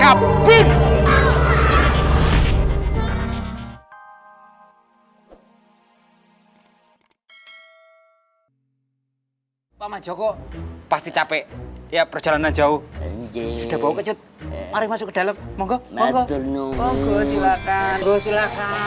hai paman joko pasti capek ya perjalanan jauh jauh masuk ke dalam silakan silakan